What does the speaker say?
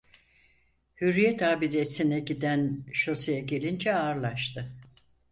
Hürriyet abidesine giden şoseye gelince ağırlaştı.